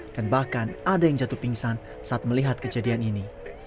dan bahkan ada yang jatuh pingsan saat melihat kejadian ini